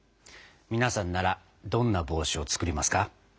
皆さんならどんな帽子を作りますか？